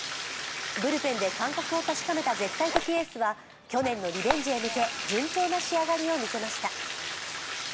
ブルペンで感覚を確かめた絶対的エースは去年のリベンジへ向け順調な仕上がりを見せました。